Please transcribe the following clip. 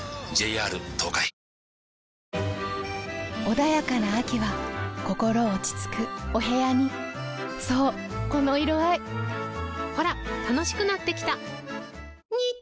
穏やかな秋は心落ち着くお部屋にそうこの色合いほら楽しくなってきた！